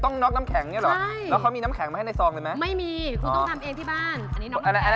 ต้องนอกน้ำแข็งเนี่ยหรอ